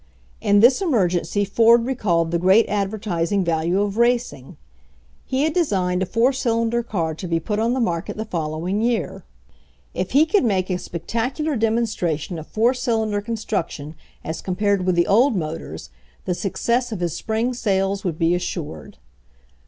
In this emergency Ford recalled the great ad vertising value of racing. He had designed a four cylinder car to be put on the market the fol lowing year. If he could make a spectacular EARLY MANUFACTURING TRIALS 125 demonstration of four cylinder construction as compared with the old motors, the success of his spring sales would be assured.